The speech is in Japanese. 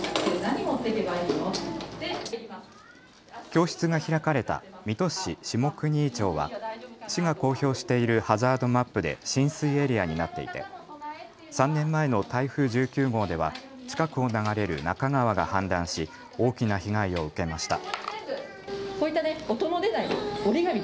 教室が開かれた水戸市下国井町は市が公表しているハザードマップで浸水エリアになっていて、３年前の台風１９号では近くを流れる那珂川が氾濫し大きな被害を受けました。